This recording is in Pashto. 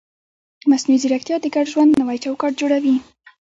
مصنوعي ځیرکتیا د ګډ ژوند نوی چوکاټ جوړوي.